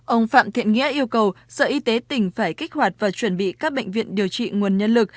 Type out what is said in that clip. ông phạm thiện nghĩa yêu cầu sở y tế tỉnh phải kích hoạt và chuẩn bị các bệnh viện điều trị nguồn nhân lực